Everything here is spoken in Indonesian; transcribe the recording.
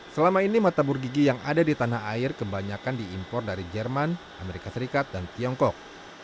selama ini matabur gigi yang ada di tanah air kebanyakan diimpor dari jerman amerika serikat dan tiongkok